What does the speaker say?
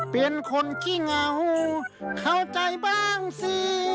เป็นคนขี้เหงาเข้าใจบ้างสิ